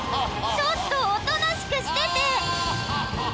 ちょっとおとなしくしてて！